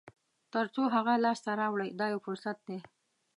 تر څو هغه لاسته راوړئ دا یو فرصت دی.